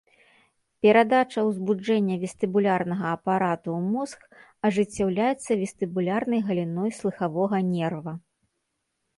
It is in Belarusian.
Перадача ўзбуджэння вестыбулярнага апарату ў мозг ажыццяўляецца вестыбулярнай галіной слыхавога нерва.